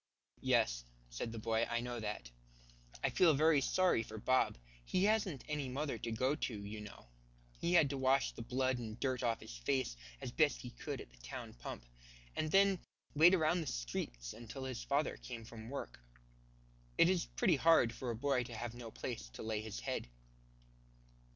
"Yes," said the boy, "I know that. I feel very sorry for Bob. He hasn't any mother to go to, you know. He had to wash the blood and dirt off his face as best he could at the town pump; and then wait around the streets until his father came from work. It is pretty hard for a boy to have no place to lay his head."